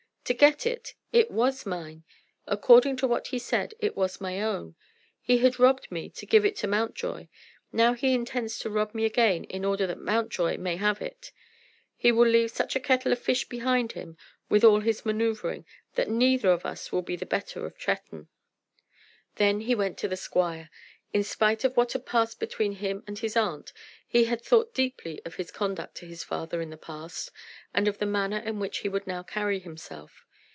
"To get it! It was mine. According to what he said it was my own. He had robbed me to give it to Mountjoy. Now he intends to rob me again in order that Mountjoy may have it. He will leave such a kettle of fish behind him, with all his manoeuvring, that neither of us will be the better of Tretton." Then he went to the squire. In spite of what had passed between him and his aunt, he had thought deeply of his conduct to his father in the past, and of the manner in which he would now carry himself.